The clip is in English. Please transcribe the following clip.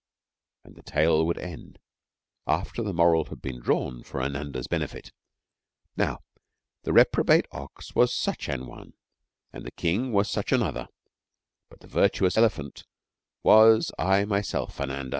And the tale would end, after the moral had been drawn for Ananda's benefit: 'Now, the reprobate ox was such an one, and the King was such another, but the virtuous elephant was I, myself, Ananda.'